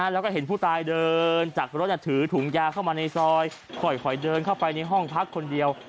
แล้วก็เห็นผู้ตายเดินจากรถถือถุงยาเข้ามาในซอยค่อยเดินเข้าไปในห้องพักคนเดียว